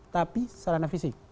tapi secara fisik